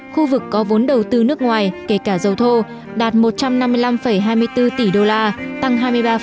khu vực có vốn đầu tư nước ngoài kể cả dầu thô đạt một trăm năm mươi năm hai mươi bốn tỷ đô la tăng hai mươi ba